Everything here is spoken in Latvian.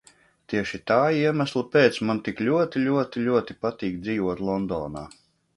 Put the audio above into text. Tieši tā iemesla pēc man tik ļoti, ļoti, ļoti patīk dzīvot Londonā.